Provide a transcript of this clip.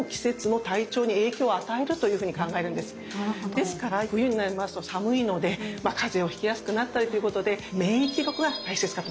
ですから冬になりますと寒いのでまあ風邪をひきやすくなったりということで免疫力が大切かと思います。